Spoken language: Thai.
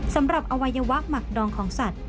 สำหรับอวัยวะหมักดองของสัตว